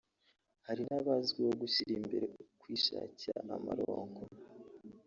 Hari n’abazwiho gushyira imbere ukwishakira amaronko